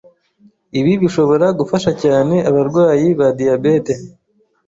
Ibi bishobora gufasha cyane abarwayi ba diyabete